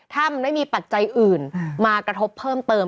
ถ้ามันไม่มีปัจจัยอื่นมากระทบเพิ่มเติม